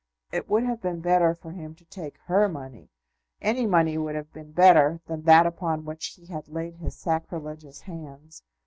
It would have been better for him to take her money. Any money would have been better than that upon which he had laid his sacrilegious hands.